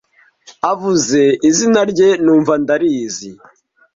avuze izina rye numva ndarizi